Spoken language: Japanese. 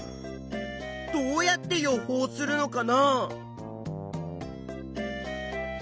どうやって予報するのかな？